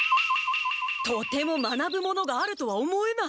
とても学ぶものがあるとは思えない。